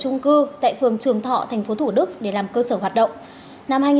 hiếu thuê căn hộ ở trung quốc tại phường trường thọ thành phố thủ đức để làm cơ sở hoạt động